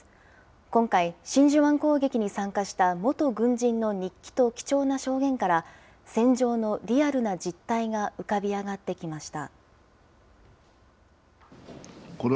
今回、真珠湾攻撃に参加した元軍人の日記と貴重な証言から、戦場のリアルな実態が浮かび上がってきました。